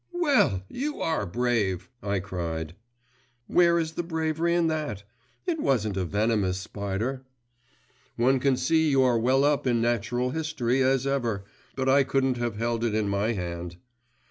'Well, you are brave!' I cried. 'Where is the bravery in that? It wasn't a venomous spider.' 'One can see you are as well up in Natural History as ever, but I couldn't have held it in my hand.